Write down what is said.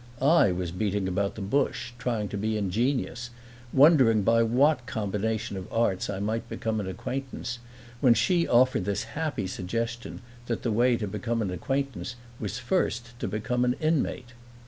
I was beating about the bush, trying to be ingenious, wondering by what combination of arts I might become an acquaintance, when she offered this happy suggestion that the way to become an acquaintance was first to become an inmate.